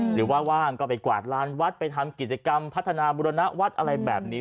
ว่าว่างก็ไปกวาดลานวัดไปทำกิจกรรมพัฒนาบุรณวัดอะไรแบบนี้